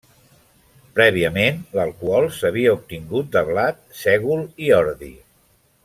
Prèviament, l'alcohol s'havia obtingut de blat, sègol i ordi.